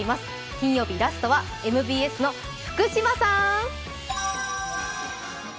金曜日、ラストはＭＢＳの福島さん。